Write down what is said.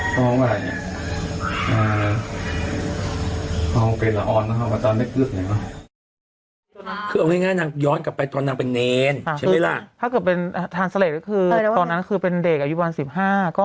คนแรกของมีเรื่องรอบหน่อยนะครับแล้วก็